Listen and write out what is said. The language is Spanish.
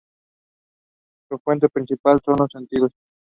Su fuente principal son los sentidos.